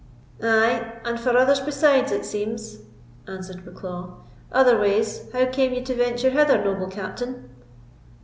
"Ay, and for others besides, it seems," answered Bucklaw; "otherways, how came you to venture hither, noble Captain?"